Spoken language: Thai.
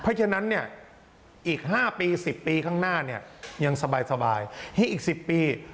เพราะฉะนั้นเนี้ยอีกห้าปีสิบปีข้างหน้าเนี้ยยังสบายสบายให้อีกสิบปี